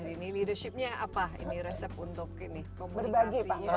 ini leadership nya apa ini resep untuk komunikasi